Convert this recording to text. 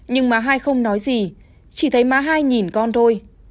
nhưng má hai không nói gì chỉ thấy má hai nhìn con thôi